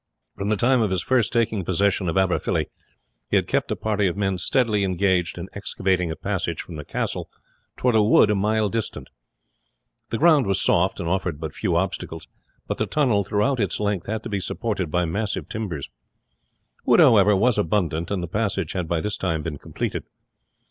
From the time of his first taking possession of Aberfilly he had kept a party of men steadily engaged in excavating a passage from the castle towards a wood a mile distant. The ground was soft and offered but few obstacles, but the tunnel throughout its whole length had to be supported by massive timbers. Wood, however, was abundant, and the passage had by this time been completed.